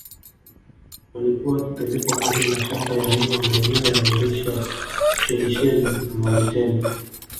Walikuwa wakipelekwa kwenye mashamba ya miwa maeneo ya Mauritius Ushelisheli na Mauritania